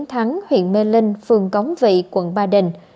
thắng huyện mê linh phường góng vị quận ba đình